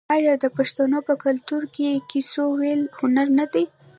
آیا د پښتنو په کلتور کې د کیسو ویل هنر نه دی؟